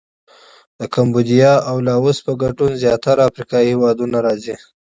د کمبودیا او لاووس په ګډون زیاتره افریقایي هېوادونه راځي.